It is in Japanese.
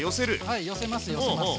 はい寄せます寄せます。